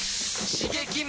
刺激！